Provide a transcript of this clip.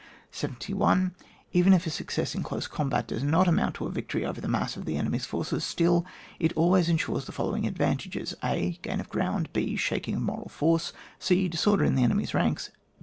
71. Even if a success in close combat does not amount to a victory over the mass of the enemy's forces, still it always ensures the following advantages :— (a) Oain of ground. \b) Shaking of moral force. {c) Disorder in the enemy's ranks.